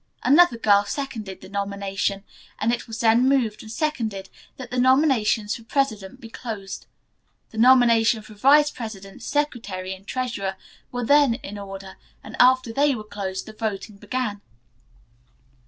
Another girl seconded the nomination, and it was then moved and seconded that the nominations for president be closed. The nomination for vice president, secretary and treasurer were then in order and after they were closed the voting began.